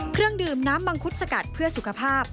เครื่องดื่มน้ำมังคุดสกัดเพื่อสุขภาพ